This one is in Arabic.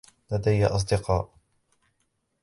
لدي أصدقاء.